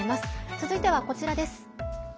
続いてはこちらです。